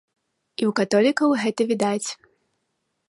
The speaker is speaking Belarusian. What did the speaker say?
І ў католікаў гэта відаць.